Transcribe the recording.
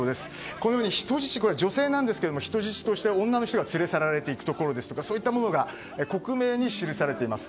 このように人質として女の人が連れ去られて行くところですとかそういったものが克明に記されています。